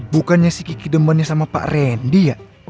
bukannya si kiki demannya sama pak randy ya